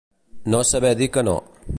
No saber dir que no.